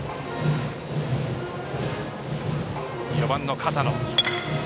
４番の片野。